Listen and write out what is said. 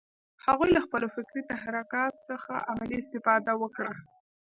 هغوی له خپلو فکري تحرکات څخه عملي استفاده وکړه